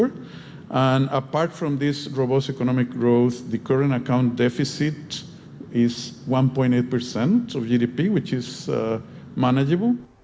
yang kuat dengan tingkat pengangguran dan defisit meraca berjalan yang rendah